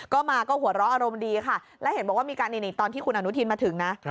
ก็มาก็หัวเราะอารมณ์ดีค่ะแล้วเห็นบอกว่ามีการนี่ตอนที่คุณอนุทินมาถึงนะ